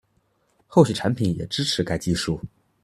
后续产品也支持该技术